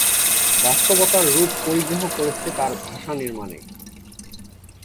বাস্তবতার রূপ পরিগ্রহ করেছে তার ভাষা নির্মাণে।